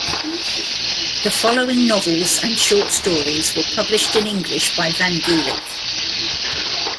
The following novels and short stories were published in English by van Gulik.